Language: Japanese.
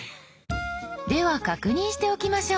では確認しておきましょう。